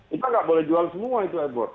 kita gak boleh jual semua itu e board